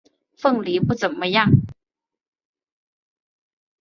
凤梨不怎么样